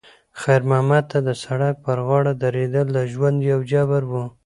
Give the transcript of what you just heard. خیر محمد ته د سړک پر غاړه درېدل د ژوند یو جبر و.